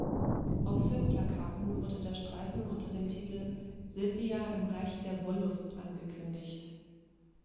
Auf Filmplakaten wurde der Streifen unter dem Titel "Silvia im Reich der Wollust" angekündigt.